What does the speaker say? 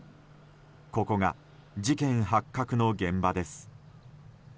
ここが事件発覚の現場です。